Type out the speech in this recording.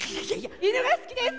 犬が好きです！